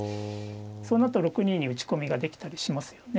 そのあと６二に打ち込みができたりしますよね。